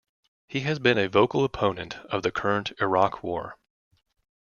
He has been a vocal opponent of the current Iraq War.